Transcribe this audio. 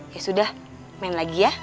ya sudah main lagi ya